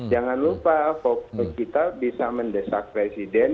jangan lupa kita bisa mendesak presiden